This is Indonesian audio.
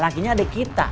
lakinya adek kita